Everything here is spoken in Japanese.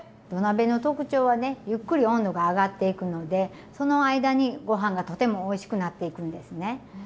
土鍋の特徴はねゆっくり温度が上がっていくのでその間にご飯がとてもおいしくなっていくんですね。